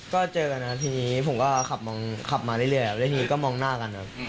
ก็เจอกันนะทีนี้ผมก็ขับมาเรื่อยครับแล้วทีนี้ก็มองหน้ากันครับ